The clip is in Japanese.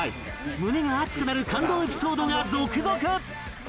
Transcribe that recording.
胸が熱くなる感動エピソードが続々！